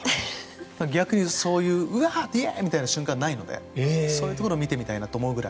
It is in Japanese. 逆に、そういうウワーッ、イエーッ！みたいな瞬間がないのでそういうところを見てみたいと思うぐらい。